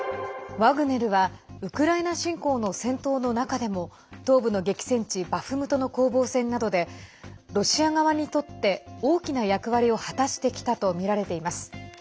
ワグネルはウクライナ侵攻の戦闘の中でも東部の激戦地バフムトの攻防戦などでロシア側にとって大きな役割を果たしてきたとみられています。